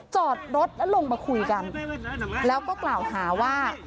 จอดรถแล้วลงมาคุยกันแล้วก็กล่าวหาว่า